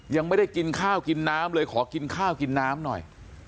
ยังไม่ได้กินข้าวกินน้ำเลยขอกินข้าวกินน้ำหน่อย